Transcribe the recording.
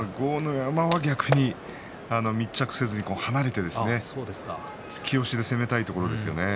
山は逆に密着せずに離れて突き押しで攻めたいところですね。